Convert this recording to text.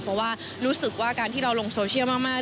เพราะว่ารู้สึกว่าการที่เราลงโซเชียลมาก